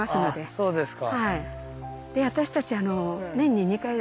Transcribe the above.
そうですか。